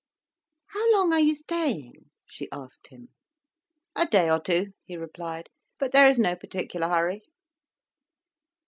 "How long are you staying?" she asked him. "A day or two," he replied. "But there is no particular hurry."